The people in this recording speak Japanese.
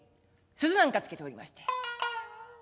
鈴なんかつけておりまして。